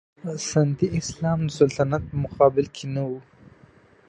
سنتي اسلام د سلطنت په مقابل کې نه و.